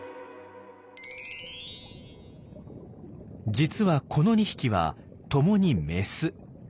実はこの２匹はともにメス。